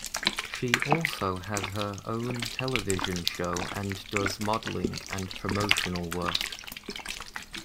She also has her own television show and does modelling and promotional work.